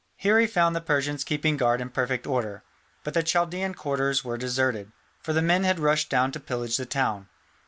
Here he found the Persians keeping guard in perfect order, but the Chaldaean quarters were deserted, for the men had rushed down to pillage the town.